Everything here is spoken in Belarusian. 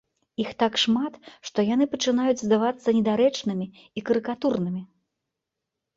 Іх так шмат, што яны пачынаюць здавацца недарэчнымі і карыкатурнымі.